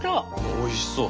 おいしそう。